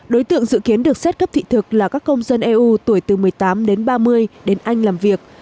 đối tượng dự kiến được xét cấp thị thực là các công dân eu tuổi từ một mươi tám đến ba mươi đến anh làm việc